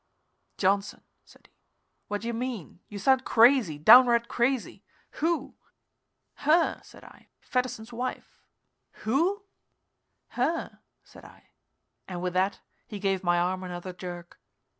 "Johnson," said he, "what do you mean? You sound crazy downright crazy. Who?" "Her," said I. "Fedderson's wife." "Who?" "Her," said I. And with that he gave my arm another jerk.